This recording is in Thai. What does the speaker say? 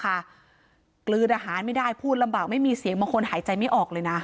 กลืนอาหารไม่ได้พูดลำบากไม่มีเสียงบางคนหายใจไม่ออกเลยนะ